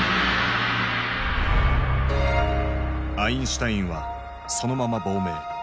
アインシュタインはそのまま亡命。